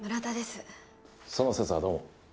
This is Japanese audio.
その節はどうも。